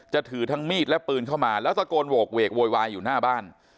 ถือทั้งมีดและปืนเข้ามาแล้วตะโกนโหกเวกโวยวายอยู่หน้าบ้าน